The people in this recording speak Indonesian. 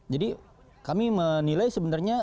jadi kami menilai sebenarnya